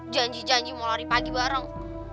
janji janji mau lari pagi bareng